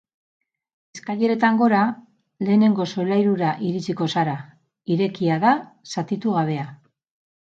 Eskaileretan gora, lehenengo solairura iritsiko zara; irekia da, zatitu gabea.